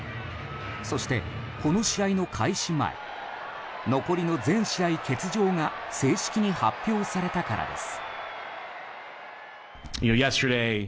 そして、この試合の開始前残りの全試合欠場が正式に発表されたからです。